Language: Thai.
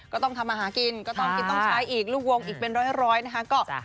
ก็ต้องทำอาหารกินก็ต้องกินต้องใช้อีกลูกวงอีกเป็นร้อยนะคะ